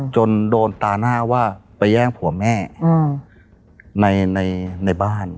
จนโดนตาหน้าว่าไปแย่งผัวแม่ในบ้าน